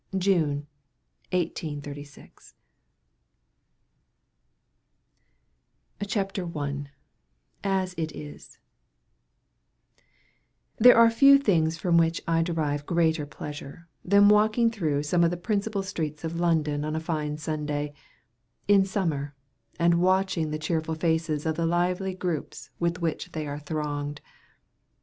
June, 1836. I AS IT IS THERE are few things from which I derive greater pleasure, than walking through some of the principal streets of London on a fine Sunday, in summer, and watching the cheerful faces of the lively groups with which they are thronged.